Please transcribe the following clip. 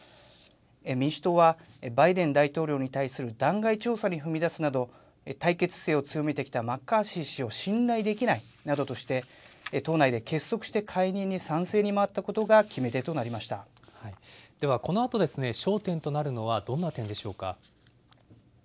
民主党は、バイデン大統領に対する弾劾調査に踏み出すなど、対決姿勢を強めてきたマッカーシー氏を信頼できないなどとして、党内で結束して解任に賛成に回ったこでは、このあとですね、焦点となるのはどんな点でしょうか。